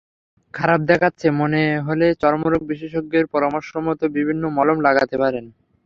খারাপ দেখাচ্ছে মনে হলে চর্মরোগ বিশেষজ্ঞের পরামর্শমতো বিভিন্ন মলম লাগাতে পারেন।